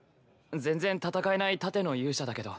全然戦えない盾の勇者だけど。